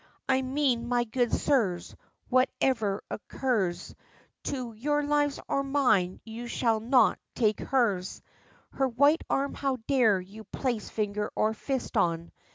I mean, my good sirs, Whatever occurs To your lives or mine, you shall not take hers! Her white arm how dare you place finger or fist on?'